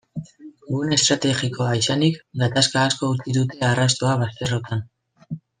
Gune estrategikoa izanik, gatazka askok utzi dute arrastoa bazterrotan.